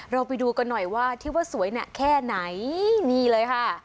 ไปดูกันหน่อยว่าที่ว่าสวยหนักแค่ไหนนี่เลยค่ะ